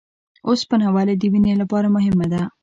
اوسپنه ولې د وینې لپاره مهمه ده؟